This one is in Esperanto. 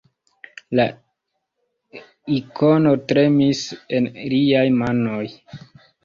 La Ikono tremis en liaj manoj.